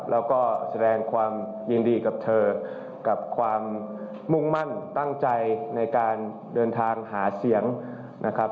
แล้วก็แสดงความยินดีกับเธอกับความมุ่งมั่นตั้งใจในการเดินทางหาเสียงนะครับ